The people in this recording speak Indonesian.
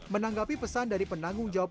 menanggapi pesan dari penanggung jawab